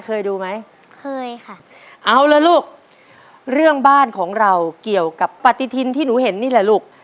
เคยดูไหมเคยค่ะเอาละลูกเรื่องบ้านของเราเกี่ยวกับปฏิทินที่หนูเห็นนี่แหละลูก